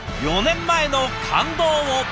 ４年前の感動を。